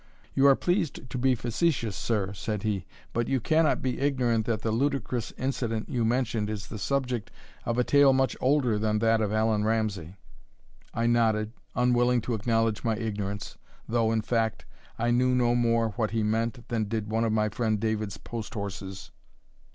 "You are pleased to be facetious, sir," said he; "but you cannot be ignorant that the ludicrous incident you mentioned is the subject of a tale much older than that of Allan Ramsay." I nodded, unwilling to acknowledge my ignorance, though, in fact, I knew no more what he meant than did one of my friend David's post horses.